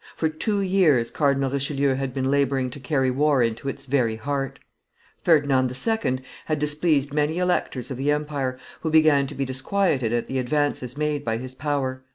For two years Cardinal Richelieu had been laboring to carry war into its very heart. Ferdinand II. had displeased many electors of the empire, who began to be disquieted at the advances made by his power.